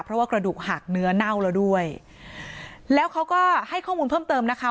เพราะว่ากระดูกหักเนื้อเน่าแล้วด้วยแล้วเขาก็ให้ข้อมูลเพิ่มเติมนะคะ